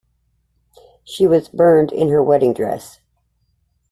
She was buried in her wedding dress.